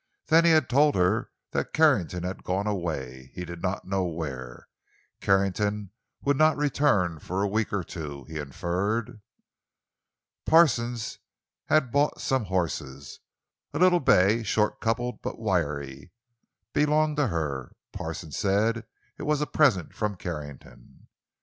Then he had told her that Carrington had gone away—he did not know where. Carrington would not return for a week or two, he inferred. Parsons had bought some horses. A little bay, short coupled but wiry, belonged to her, Parsons said—it was a present from Carrington.